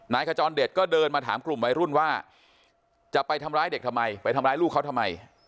ขจรเดชก็เดินมาถามกลุ่มวัยรุ่นว่าจะไปทำร้ายเด็กทำไมไปทำร้ายลูกเขาทำไม